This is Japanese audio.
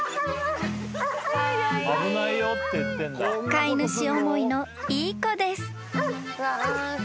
［飼い主思いのいい子です］